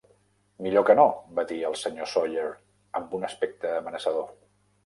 "Millor que no!", va dir el Sr. Sawyer amb un aspecte amenaçador.